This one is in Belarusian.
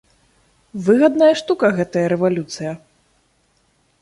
Выгадная штука гэтая рэвалюцыя!